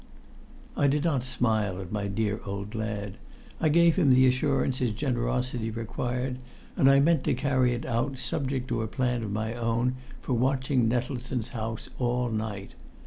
I did not smile at my dear old lad. I gave him the assurance his generosity required, and I meant to carry it out, subject to a plan of my own for watching Nettleton's house all night.